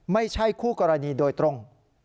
ไม่ใช่คู่กรณีโดยตรง